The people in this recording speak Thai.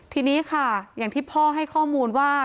ทีนี้ค่ะอย่างที่พ่อให้ข้อมูลว่า